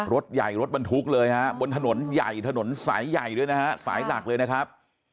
รถใหญ่รถบรรทุกเลยฮะบนถนนใหญ่ถนนสายใหญ่ด้วยนะฮะสายหลักเลยนะครับ